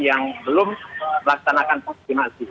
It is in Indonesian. yang belum melaksanakan vaksinasi